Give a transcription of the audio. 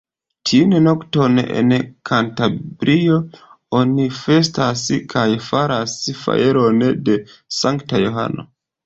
Tiun nokton, en Kantabrio oni festas kaj faras fajron de Sankta Johano.